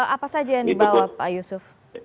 apa saja yang dibawa pak yusuf